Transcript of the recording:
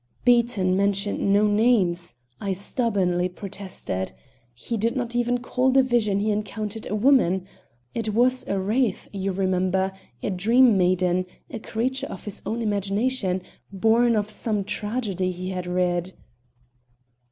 "Beaton mentioned no names," I stubbornly protested. "He did not even call the vision he encountered a woman. It was a wraith, you remember, a dream maiden, a creature of his own imagination, born of some tragedy he had read."